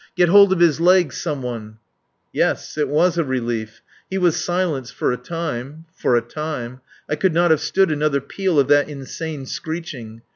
Get hold of his legs, some one." Yes. It was a relief. He was silenced for a time for a time. I could not have stood another peal of that insane screeching.